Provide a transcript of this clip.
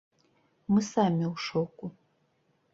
Мы самі ў шоку!